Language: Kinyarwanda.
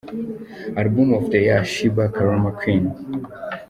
Album Of The Year Sheebah – Karma Queen.